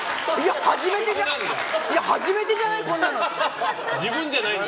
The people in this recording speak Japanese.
初めてじゃない、こんなのって。